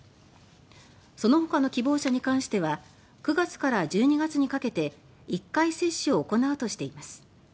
そのほかの希望者に関しては９月から１２月にかけて１回接種を行うとしています。